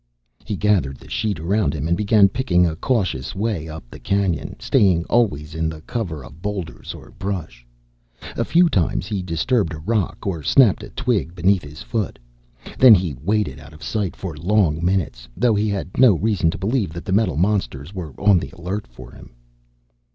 He gathered the sheet around him, and began picking a cautious way up the canyon, staying always in the cover of boulders or brush. A few times he disturbed a rock, or snapped a twig beneath his foot. Then he waited out of sight for long minutes, though he had no reason to believe that the metal monsters were on the alert for him.